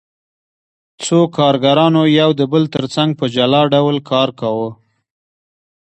څو کارګرانو یو د بل ترڅنګ په جلا ډول کار کاوه